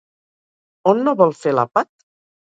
On no vol fer l'àpat?